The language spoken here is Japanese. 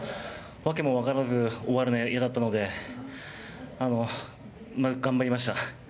訳も分からず、でも終わるの嫌だったので頑張りました。